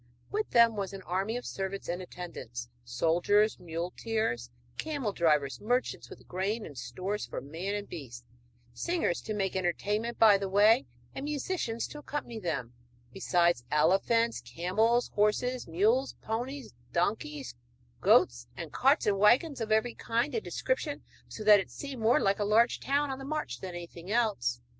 With them was an army of servants and attendants, soldiers, muleteers, camel drivers, merchants with grain and stores for man and beast, singers to make entertainment by the way and musicians to accompany them, besides elephants, camels, horses, mules, ponies, donkeys, goats, and carts and wagons of every kind and description, so that it seemed more like a large town on the march than anything else.